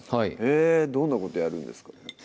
へぇどんなことやるんですか？